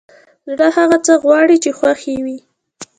زړه هغه څه غواړي چې خوښ يې وي!